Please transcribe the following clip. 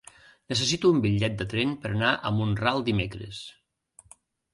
Necessito un bitllet de tren per anar a Mont-ral dimecres.